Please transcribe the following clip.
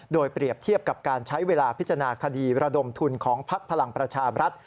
โดยเปรียบเทียบกับการใช้เวลาพิจารณาคดีระดมทุนของพักพลังประชาบรัฐ